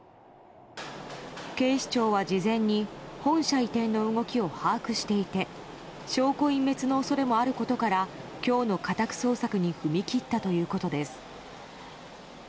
警視庁は事前に本社移転の動きを把握していて証拠隠滅の恐れもあることから今日の家宅捜索に踏み切ったということです。